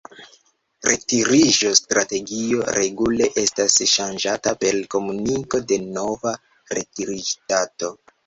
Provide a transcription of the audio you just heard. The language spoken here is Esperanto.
Retiriĝo-strategio regule estas ŝanĝata per komuniko de nova retiriĝdato.